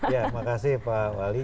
ya terima kasih pak wali